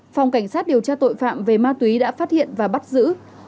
phòng cảnh sát điều tra tội phạm về ma túy đã phát hiện và bắt giữ